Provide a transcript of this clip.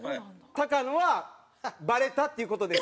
高野はバレたっていう事です。